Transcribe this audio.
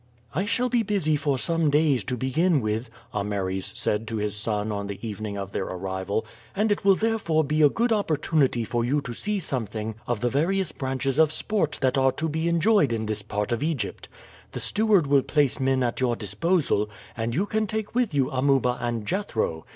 "I shall be busy for some days, to begin with," Ameres said to his son on the evening of their arrival, "and it will therefore be a good opportunity for you to see something of the various branches of sport that are to be enjoyed in this part of Egypt. The steward will place men at your disposal, and you can take with you Amuba and Jethro.